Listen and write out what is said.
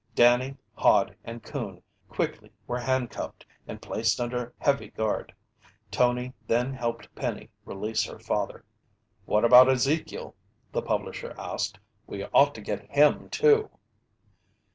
Danny, Hod and Coon quickly were handcuffed and placed under heavy guard. Tony then helped Penny release her father. "What about Ezekiel?" the publisher asked. "We ought to get him too!"